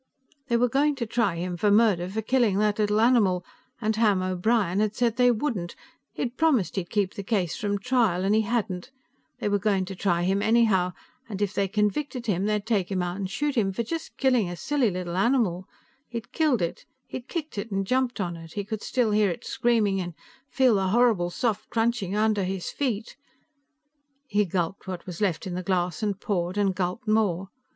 They were going to try him for murder for killing that little animal, and Ham O'Brien had said they wouldn't, he'd promised he'd keep the case from trial and he hadn't, they were going to try him anyhow and if they convicted him they would take him out and shoot him for just killing a silly little animal he had killed it he'd kicked it and jumped on it he could still hear it screaming and feel the horrible soft crunching under his feet.... He gulped what was left in the glass and poured and gulped more.